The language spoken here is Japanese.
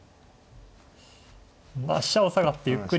まあ飛車を下がってゆっくり。